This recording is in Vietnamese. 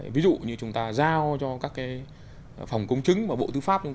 ví dụ như chúng ta giao cho các phòng công chứng mà bộ tư pháp